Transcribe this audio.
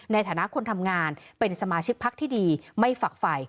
ในฐานะคนทำงานเป็นสมาชิกพักที่ดีไม่ฝักไฟ